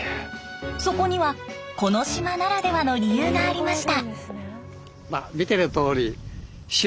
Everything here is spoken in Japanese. そこにはこの島ならではの理由がありました。